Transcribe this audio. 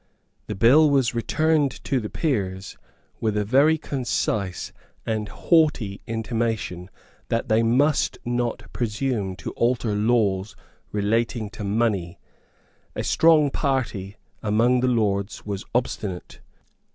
The bill was returned to the Peers with a very concise and haughty intimation that they must not presume to alter laws relating to money. A strong party among the Lords was obstinate.